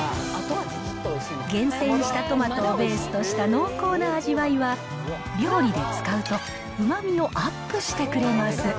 厳選したトマトをベースとした濃厚な味わいは、料理で使うと、うまみをアップしてくれます。